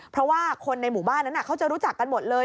เพราะว่าคนในหมู่บ้านนั้นเขาจะรู้จักกันหมดเลย